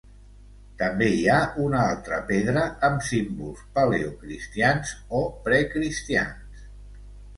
També hi ha una altra pedra amb símbols paleocristians o precristians.